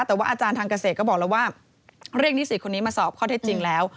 แต่ว่าอาจารย์ทางเกษตรก็บอกแล้วว่าเรียกนิสิตคนนี้มาสอบข้อเท็จจริงแล้ว